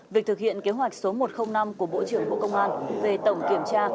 việc thực hiện kế hoạch số một trăm linh năm của bộ trưởng bộ công an về tổng kiểm tra